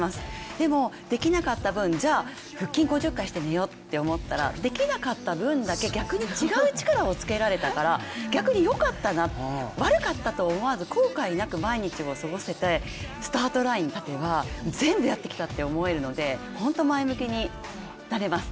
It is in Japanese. でも、できなかった分、腹筋５０回してみようと思ったら、できなかった分だけ逆に違う力をつけられたから逆に良かったな、悪かったと思わず後悔なく毎日を過ごせてスタートラインに立てば全部やってきたって思えるので、本当に前向きになれます。